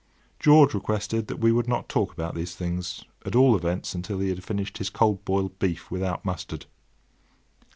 George requested that we would not talk about these things, at all events until he had finished his cold boiled beef without mustard.